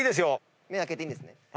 目開けていいんですね。